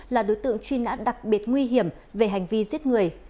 là đối tượng truy nã đặc biệt nguy hiểm về hành vi giết người